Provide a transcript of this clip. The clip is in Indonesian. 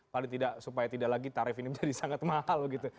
paling tidak supaya tidak lagi tarif ini menjadi sangat mahal begitu